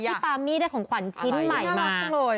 พี่ปามี่ได้ของขวัญชิ้นใหม่มา